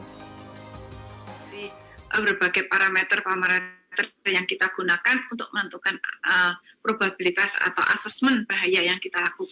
dari berbagai parameter paramera yang kita gunakan untuk menentukan probabilitas atau assessment bahaya yang kita lakukan